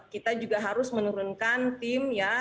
kita juga harus menurunkan tim ya